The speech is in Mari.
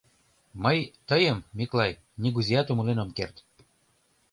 — Мый тыйым, Миклай, нигузеат умылен ом керт.